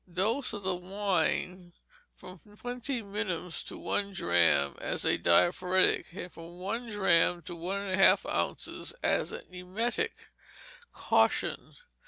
Dose of the wine, from twenty minims to one drachm as a diaphoretic, and from one drachm to one and a half ounces as an emetic. _Caution.